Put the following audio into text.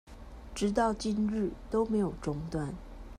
直到今日都沒有中斷